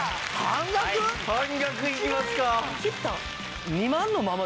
半額いきますか？